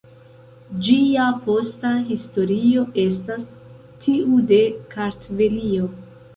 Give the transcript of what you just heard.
Ĝia posta historio estas tiu de Kartvelio.